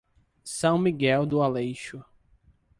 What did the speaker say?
São Miguel do Aleixo